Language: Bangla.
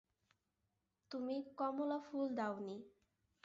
তুমি কমলা ফুল দাওনি।